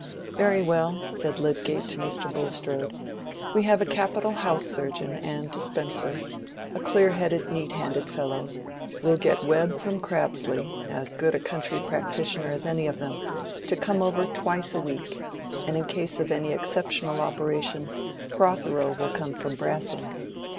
"Very well," said Lydgate to Mr. Bulstrode, "we have a capital house surgeon and dispenser, a clear headed, neat handed fellow; we'll get Webbe from Crabsley, as good a country practitioner as any of them, to come over twice a week, and in case of any exceptional operation, Protheroe will come from Brassing.